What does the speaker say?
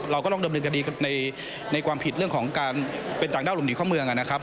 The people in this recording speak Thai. เราก็ต้องดำเนินคดีในความผิดเรื่องของการเป็นต่างด้าวหลบหนีเข้าเมืองนะครับ